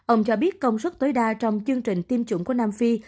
ông cho biết công suất tối đa trong chương trình tiêm chủng của nam phi